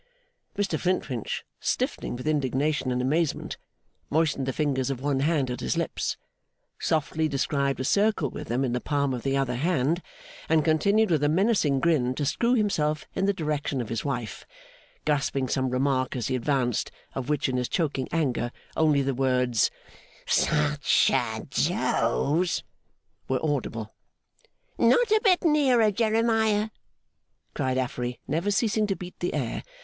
Mr Flintwinch, stiffening with indignation and amazement, moistened the fingers of one hand at his lips, softly described a circle with them in the palm of the other hand, and continued with a menacing grin to screw himself in the direction of his wife; gasping some remark as he advanced, of which, in his choking anger, only the words, 'Such a dose!' were audible. 'Not a bit nearer, Jeremiah!' cried Affery, never ceasing to beat the air.